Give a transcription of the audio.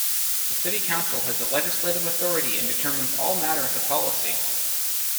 The City Council has the legislative authority and determines all matters of policy.